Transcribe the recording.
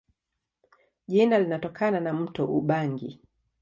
Jina linatokana na mto Ubangi.